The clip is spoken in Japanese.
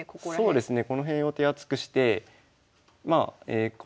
そうですね。